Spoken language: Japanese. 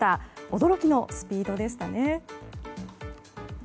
驚きのスピードでしたね。